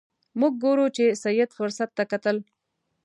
موږ ګورو چې سید فرصت ته کتل.